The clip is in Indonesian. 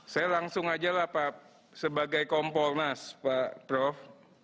saya langsung aja lah pak sebagai kompolnas pak prof